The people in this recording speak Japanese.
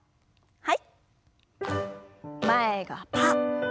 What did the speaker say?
はい。